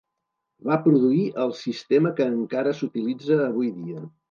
Va produir el sistema que encara s'utilitza avui dia.